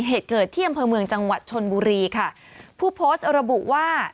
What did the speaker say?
เหตุเกิดที่อำเภอเมืองจังหวัดชนบุรีค่ะผู้โพสต์ระบุว่า